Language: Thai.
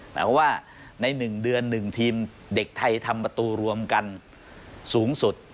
แต่ว่าใน๑เดือน๑ทีมเด็กไทยทำประตูรวมกันสูงสุด